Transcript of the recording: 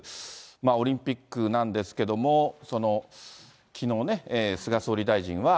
オリンピックなんですけども、きのうね、菅総理大臣は。